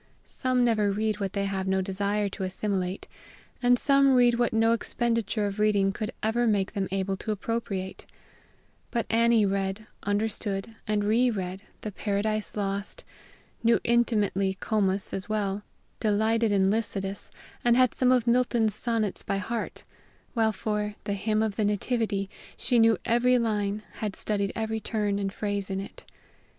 Some never read what they have no desire to assimilate; and some read what no expenditure of reading could ever make them able to appropriate; but Annie read, understood, and re read the "Paradise Lost"; knew intimately "Comus" as well; delighted in "Lycidas," and had some of Milton's sonnets by heart; while for the Hymn on the Nativity, she knew every line, had studied every turn and phrase in it.